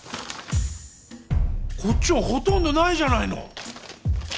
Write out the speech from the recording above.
こっちはほとんどないじゃないの！